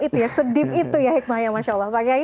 itu ya sedip itu ya hikmah